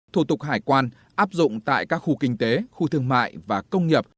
thủ tục hải quan áp dụng tại các khu kinh tế khu thương mại và công nghiệp